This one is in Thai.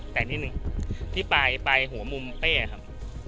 แต่งนิดนึงที่ปลายหัวมุมเป้ครับ